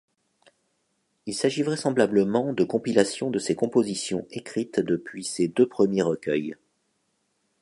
Il s'agit vraisemblablement de compilations de ses compositions écrites depuis ses deux premiers recueils.